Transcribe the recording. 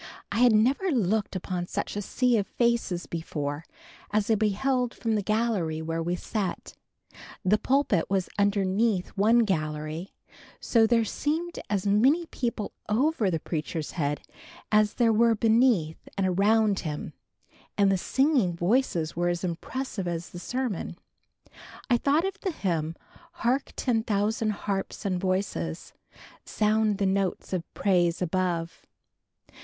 I had never looked upon such a sea of faces before, as I beheld from the gallery where we sat. The pulpit was underneath one gallery, so there seemed as many people over the preacher's head, as there were beneath and around him and the singing was as impressive as the sermon. I thought of the hymn, "Hark ten thousand harps and voices, Sound the notes of praise above."